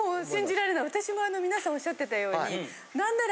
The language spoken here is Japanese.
私もみなさんおっしゃってたようになんなら。